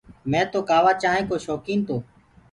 مي تو ڪآوآ چآنه ڪو شوڪين تو